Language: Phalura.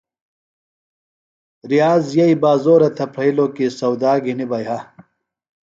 ریاض یئی بازورہ تھےۡ پھرئلِوۡ کی سودا گِھنیۡ بہ یہہ۔